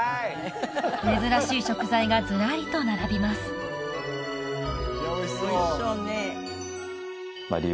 珍しい食材がずらりと並びます竜